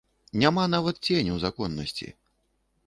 Няма нават ценю законнасці.